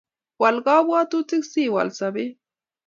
Wal kabwabutik si Wal sobet